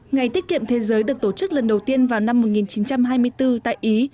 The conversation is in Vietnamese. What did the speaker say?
ngày tiết kiệm thế giới được tổ chức lần đầu tiên vào năm một nghìn chín trăm hai mươi bốn tại ý